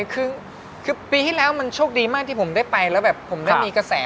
คือปีที่แล้วมันโชคดีมากที่ผมได้ไปแล้วแบบผมได้มีกระแส